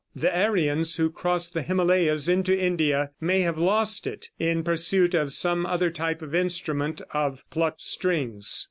The Aryans who crossed the Himalayas into India may have lost it, in pursuit of some other type of instrument of plucked strings.